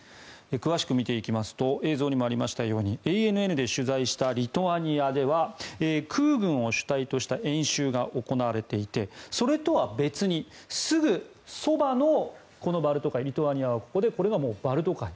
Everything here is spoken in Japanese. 詳しく見ていきますと映像にもありましたようにＡＮＮで取材したリトアニアでは空軍を主体とした演習が行われていてそれとは別に、すぐそばのこのバルト海リトアニアはここでバルト海。